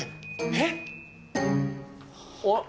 えっ？おっ！